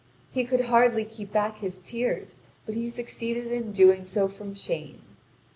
He could hardly keep back his tears, but he succeeded in doing so from shame.